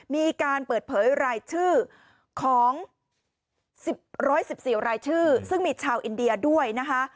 มีการเปิดเผยรายชื่อของ๑๑๔รายชื่อซึ่งมีชาวอินเดียด้วยนะคะ